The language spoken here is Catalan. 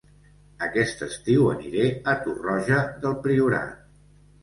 Aquest estiu aniré a Torroja del Priorat